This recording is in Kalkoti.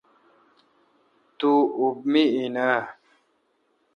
تو اُب مے° این اں؟